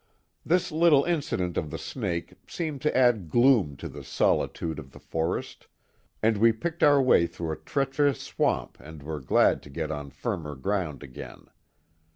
This little incident of the snake seemed to add gloom to the solitude of the forest, and we picked our way through a treacherous swamp and were glad to get on firmer ground again.